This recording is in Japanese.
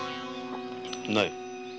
ない。